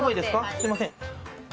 すみません。